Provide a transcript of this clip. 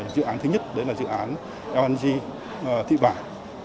dự án thứ nhất là dự án lng thị bản